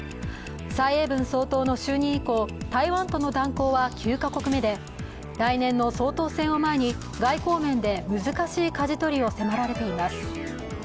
蔡英文総統の就任以降台湾との断交は９か国目で来年の総統選を前に外交面で難しいかじ取りを迫られています。